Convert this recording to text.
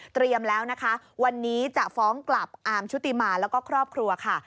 แล้วนะคะวันนี้จะฟ้องกลับอาร์มชุติมาแล้วก็ครอบครัวค่ะ